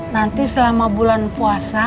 nanti selama bulan puasa